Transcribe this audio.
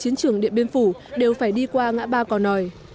những người đồng bằng điện biên phủ đều phải đi qua ngã ba cò nòi